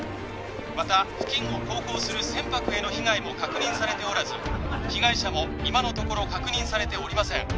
また付近を航行する船舶への被害も確認されておらず被害者も今のところ確認されておりません